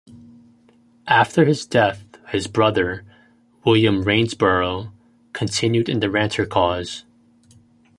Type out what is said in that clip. After his death, his brother, William Rainsborowe continued in the Ranter cause.